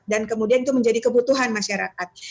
dan kemudian itu menjadi kebutuhan masyarakat